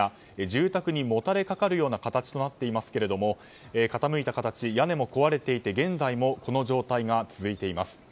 住宅にもたれかかるような形となっていますが傾いた形で屋根も壊れていて現在もこの状態が続いています。